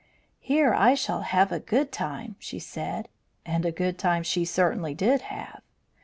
"Here I shall have a good time," she said; and a good time she certainly did have.